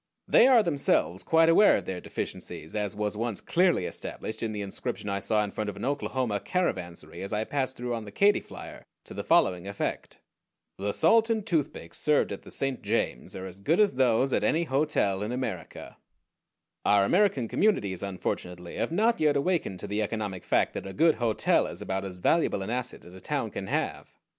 They are themselves quite aware of their deficiencies, as was once clearly established in the inscription I saw in front of an Oklahoma caravansary as I passed through on the Katy Flyer, to the following effect: THE SALT AND TOOTHPICKS SERVED AT THE SAINT JAMES ARE AS GOOD AS THOSE AT ANY HOTEL IN AMERICA Our American communities, unfortunately, have not yet awakened to the economic fact that a good hotel is about as valuable an asset as a town can have.